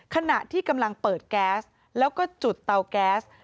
ขณะที่กำลังเปิดแก๊สแล้วก็จุดเตาแก๊ส